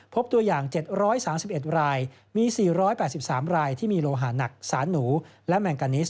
พบตัวอย่าง๗๓๑รายมี๔๘๓รายที่มีโลหาหนักสารหนูและแมงกานิส